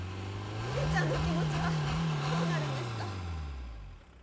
悠里ちゃんの気持ちはどうなるんですか？